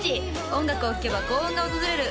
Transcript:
音楽を聴けば幸運が訪れる